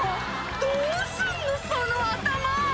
「どうすんのその頭！」